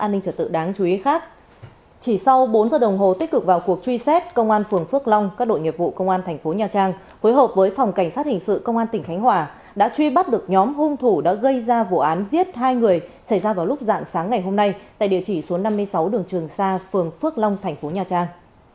địa chỉ số năm mươi sáu đường trường sa phường phước long tp nha trang